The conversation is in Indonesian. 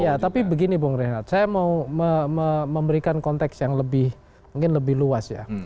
ya tapi begini bung rehat saya mau memberikan konteks yang lebih mungkin lebih luas ya